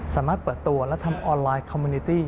สามารถเปิดตัวและทำออนไลน์คอมมิวนิตี้